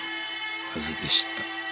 はずでした。